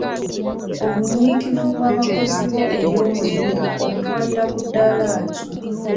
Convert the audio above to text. Obunyiikivu bw'abakozi bo eri omulimu obutwalira ku ddaala ki?